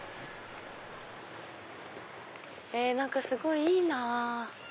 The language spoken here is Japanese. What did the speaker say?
何かすごいいいなぁ。